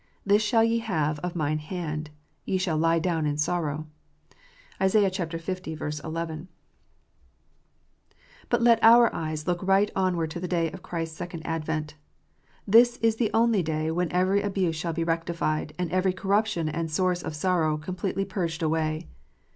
This shall ye have of Mine hand ; ye shall lie down in sorrow." (Isa. 1. 11.) But let our eyes look right onward to the day of Christ s second advent. That is the only day when every abuse shall be rectified, and every corruption and source of sorrow com pletely purged away.